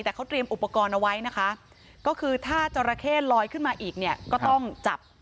แต่เขาเตรียมอุปกรณ์เอาไว้นะคะก็คือถ้าจราเข้ลอยขึ้นมาอีกเนี่ยก็ต้องจับ